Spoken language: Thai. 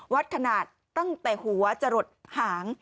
วัดขนาดตั้งแต่หัวจะหลดหาง